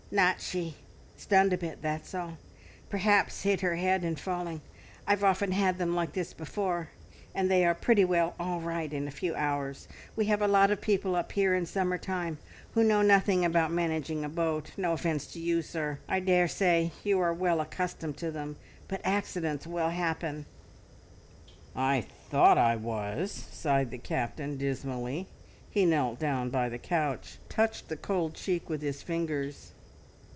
"Not she! Stunned a bit, that's all. Perhaps hit her head in falling. I've often had them like this before, and they are pretty well all right in a few hours. We have a lot of people up here in summertime who know nothing about managing a boat no offence to you, sir I daresay you are well accustomed to them, but accidents will happen!" "I thought I was!" sighed the Captain dismally. He knelt down by the couch, and touched the cold cheek with his fingers.